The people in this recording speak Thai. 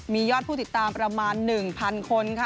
มียอดผู้ติดตามประมาณ๑๐๐คนค่ะ